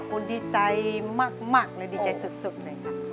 คุณดีใจมากเลยดีใจสุดเลยค่ะ